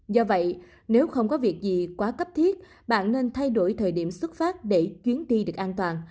do vậy nếu không có việc gì quá cấp thiết bạn nên thay đổi thời điểm xuất phát để chuyến đi được an toàn